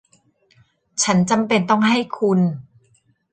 ฉันจำเป็นต้องให้คุณ